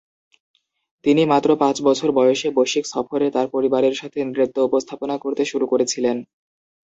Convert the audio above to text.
তিনি মাত্র পাঁচ বছর বয়সে বৈশ্বিক সফরে তাঁর পরিবারের সাথে নৃত্য-উপস্থাপনা করতে শুরু করেছিলেন।